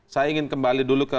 saya ingin kembali dulu ke